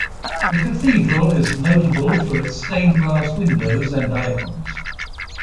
The Cathedral is notable for its stained glass windows and icons.